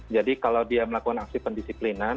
jadi kalau dia melakukan aksi pendisiplinan